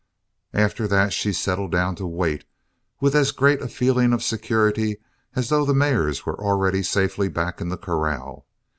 After that she settled down to wait with as great a feeling of security as though the mares were already safely back in the corral.